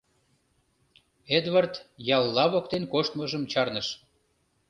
Эдвард ялла воктен коштмыжым чарныш.